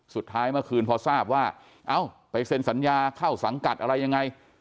สุดท้ายเมื่อคืนพอทราบว่าเอ้าไปเซ็นสัญญาเข้าสังกัดอะไรยังไง